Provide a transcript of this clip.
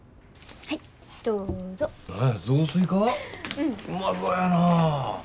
うまそやな。